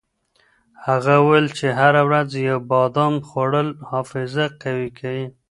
هغه وویل چې هره ورځ یو بادام خوړل حافظه قوي کوي.